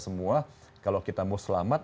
semua kalau kita mau selamat